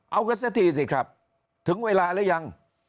เอากันสักทีสิครับถึงเวลาหรือยัง